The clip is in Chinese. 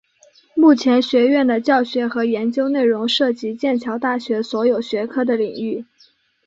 目前学院的教学和研究内容涉及剑桥大学所有学科的领域。